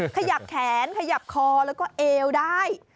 ขยับแขนขยับคอแล้วก็เอวได้